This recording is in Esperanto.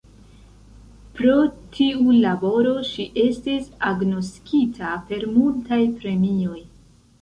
Pro tiu laboro ŝi estis agnoskita per multaj premioj.